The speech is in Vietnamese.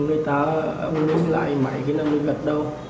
ừ người ta uống lại mãi cái năng lực gặt đâu